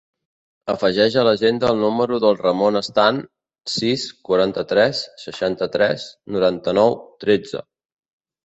Afegeix a l'agenda el número del Ramon Stan: sis, quaranta-tres, seixanta-tres, noranta-nou, tretze.